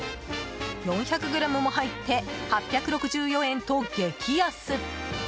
４００ｇも入って８６４円と激安。